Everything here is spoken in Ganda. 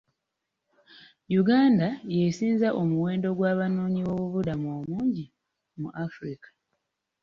Uganda y'esinza omuwendo gw'abanoonyiboobubudamu omungi mu Africa.